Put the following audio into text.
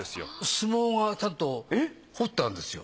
相撲がちゃんと彫ってあるんですよ。